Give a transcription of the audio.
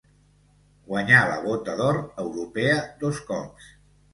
Guanyà la Bota d'or europea dos cops.